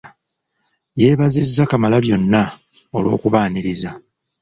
Yeebaziza Kamalabyonna olw'okubaaniriza.